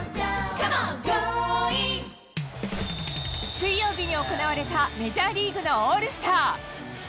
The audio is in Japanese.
水曜日に行われたメジャーリーグのオールスター。